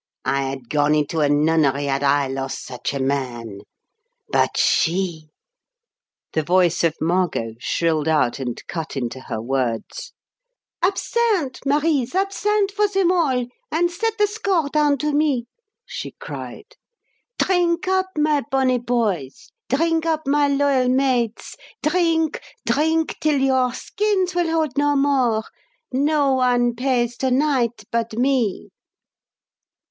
I had gone into a nunnery had I lost such a man. But she " The voice of Margot shrilled out and cut into her words. "Absinthe, Marise, absinthe for them all and set the score down to me!" she cried. "Drink up, my bonny boys; drink up, my loyal maids. Drink drink till your skins will hold no more. No one pays to night but me!"